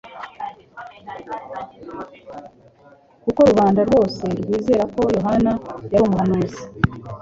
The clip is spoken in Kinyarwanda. kuko rubanda rwose rwizeraga ko Yohana yari umuhanuzi.